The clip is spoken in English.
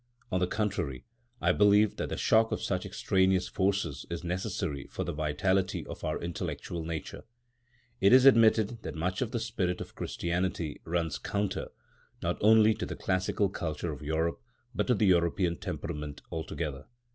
On the contrary, I believe that the shock of such extraneous forces is necessary for the vitality of our intellectual nature. It is admitted that much of the spirit of Christianity runs counter, not only to the classical culture of Europe, but to the European temperament altogether.